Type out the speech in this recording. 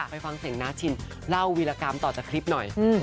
ไปฟังเสียงน้าชินเล่าวีรกรรมต่อจากคลิปหน่อย